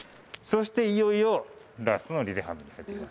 そしていよいよラストのリレハンメル。